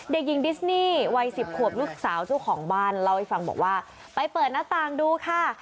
เด็กหญิงดิสนี่วัย๑๐ขวบลูกสาวเจ้าของบ้านเล่าให้ฟังบอกว่าไปเปิดหน้าต่างดูค่ะ